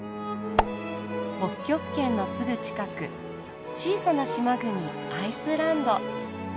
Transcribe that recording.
北極圏のすぐ近く小さな島国アイスランド。